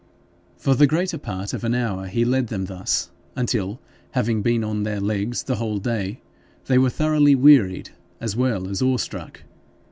For the greater part of an hour he led them thus, until, having been on their legs the whole day, they were thoroughly wearied as well as awe struck.